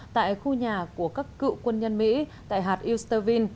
tại khu nhà của các cựu quân nhân mỹ tại hạt istervind